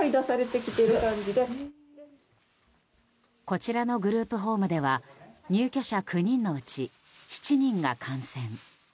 こちらのグループホームでは入居者９人のうち７人が感染。